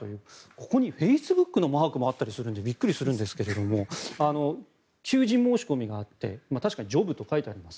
ここにフェイスブックのマークもあったりするのでびっくりするんですけど求人申し込みがあって確かにジョブと書いてあります。